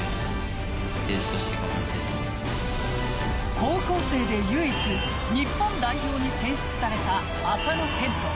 高校生で唯一日本代表に選出された麻野堅斗。